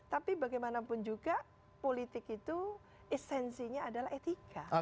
tapi bagaimanapun juga politik itu esensinya adalah etika